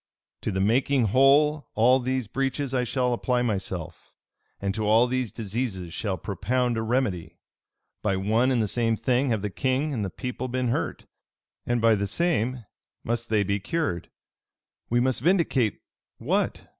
"To the making whole all these breaches I shall apply myself, and to all these diseases shall propound a remedy. By one and the same thing have the king and the people been hurt, and by the same must they be cured. We must vindicate what?